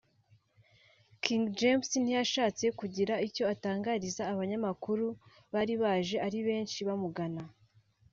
King James ntiyashatse kugira icyo atangariza abanyamakuru bari baje ari benshi bamugana